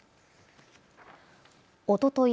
おととい